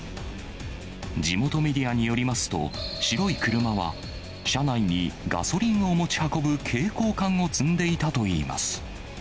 地元メディアによりますと、白い車は、車内にガソリンを持ち運ぶ携行缶を積んでいたといいます。